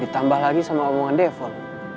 ditambah lagi sama omongan devel